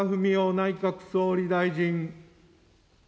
内閣総理大臣。